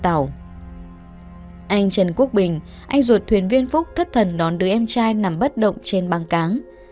anh trần quốc bình anh ruột thuyền viên phúc thất thần đón đứa em trai nằm bất động trên băng cáng